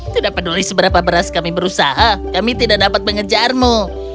tidak peduli seberapa beras kami berusaha kami tidak dapat mengejarmu